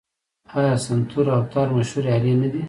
آیا سنتور او تار مشهورې الې نه دي؟